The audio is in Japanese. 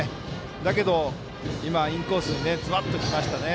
だけど、インコースにずばっときました。